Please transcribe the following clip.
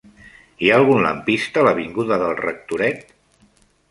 Hi ha algun lampista a l'avinguda del Rectoret?